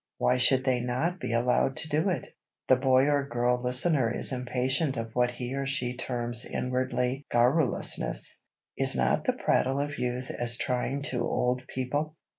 Why should they not be allowed to do it? The boy or girl listener is impatient of what he or she terms inwardly "garrulousness." Is not the prattle of youth as trying to old people?